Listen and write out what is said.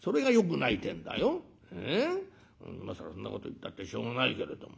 今更そんなこと言ったってしょうがないけれども。